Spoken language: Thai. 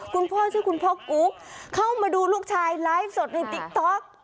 คุณพ่อชื่อคุณพ่อกุ๊กเข้ามาดูลูกชายไลฟ์สดในติ๊กต๊อก